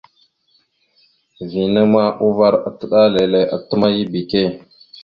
Vina ma uvar atəɗálele atəmáya ebeke.